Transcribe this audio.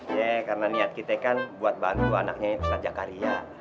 yee karena niat kita kan buat bantu anaknya yang pesat jakaria